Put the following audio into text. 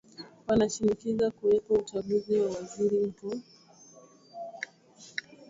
wanashinikiza kuwepo uchaguzi wa waziri mkuu